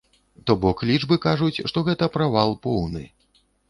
То бок лічбы кажуць, што гэта правал поўны.